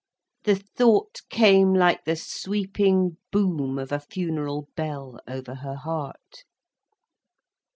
The thought came like the sweeping boom of a funeral bell over her heart.